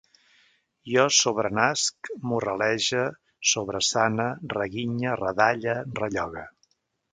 Jo sobrenasc, morralege, sobresane, reguinye, redalle, rellogue